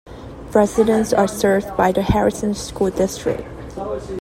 Residents are served by the Harrison School District.